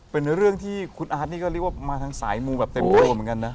เป็นเรื่องที่คุณอาร์ตนี่ก็เรียกว่ามาทางสายมูแบบเต็มตัวเหมือนกันนะ